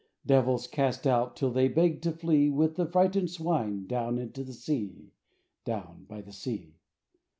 Devils cast out, till they begged to flee. With the frightened swine, down into the sea; Down by the sea.